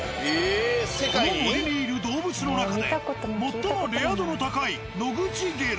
この森にいる動物の中で最もレア度の高いノグチゲラ。